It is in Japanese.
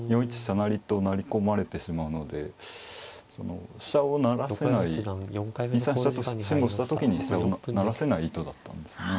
成と成り込まれてしまうので飛車を成らせない２三飛車と辛抱した時に飛車を成らせない意図だったんですね。